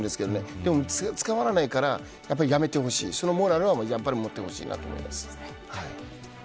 でも捕まらないからやめてほしいそのモラルは持ってほしいなと思います。